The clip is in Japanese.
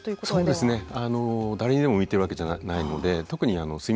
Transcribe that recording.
そうですね。